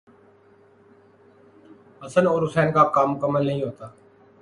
حسن اور حسین کا کام مکمل نہیں ہوتا۔